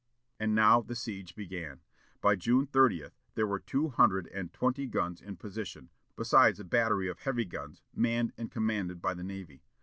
And now the siege began. By June 30, there were two hundred and twenty guns in position, besides a battery of heavy guns, manned and commanded by the navy.